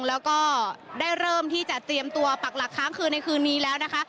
แล้วก็ได้เริ่มที่จะเตรียมตัวปักหลักค้างคืนในคืนนี้แล้วนะคะ